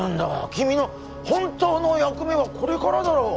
君の本当の役目はこれからだろう